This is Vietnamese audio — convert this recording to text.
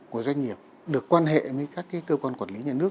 của doanh nghiệp được quan hệ với các cơ quan quản lý nhà nước